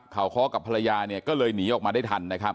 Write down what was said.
เขาคลอกับภรรยาก็เลยหนีออกมาได้ทัน